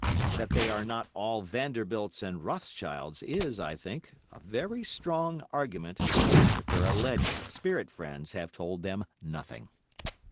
That they are not all Vanderbilts and Rothschilds is, I think, a very strong argument that their alleged spirit friends have told them nothing.